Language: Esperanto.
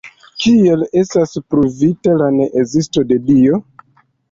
Kiel estas ‘pruvita’ la ne-ezisto de Dio?